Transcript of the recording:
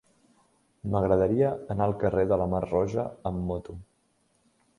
M'agradaria anar al carrer de la Mar Roja amb moto.